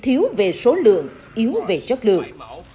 yếu về số lượng yếu về chất lượng